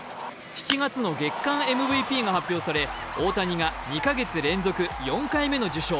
７月の月間ＭＶＰが発表され大谷が２か月連続４回目の受賞。